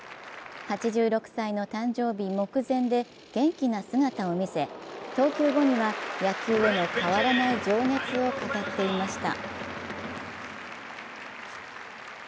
８６歳の誕生日目前で元気な姿を見せ、投球後には野球への変わらない情熱を語っていました。